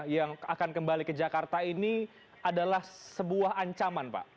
yang akan kembali ke jakarta ini adalah sebuah ancaman pak